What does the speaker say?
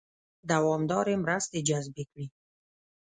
دوامدارې مرستې جذبې کړي.